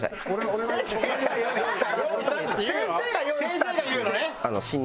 先生が言うのね。